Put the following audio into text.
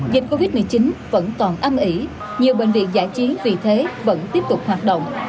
dịch covid một mươi chín vẫn còn âm ỉ nhiều bệnh viện giải trí vì thế vẫn tiếp tục hoạt động